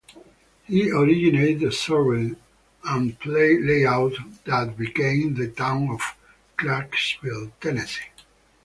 He originated the survey and plat layout that became the town of Clarksville, Tennessee.